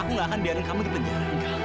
aku sudah memulih